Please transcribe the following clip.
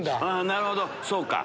なるほどそうか。